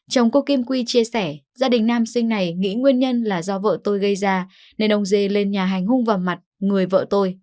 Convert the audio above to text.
chồng cô kim quy chia sẻ gia đình nam sinh này nghĩ nguyên nhân là do vợ tôi gây ra nên ông dê lên nhà hành hung vào mặt người vợ tôi